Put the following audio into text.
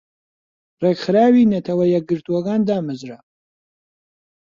رێکخراوی نەتەوە یەکگرتوەکان دامەزرا